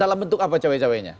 dalam bentuk apa cawe cawenya